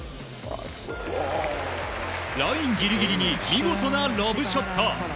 ラインギリギリに見事なロブショット。